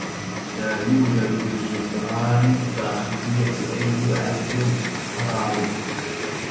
لا يوجد للجدران الداخلية أي عزل حراري.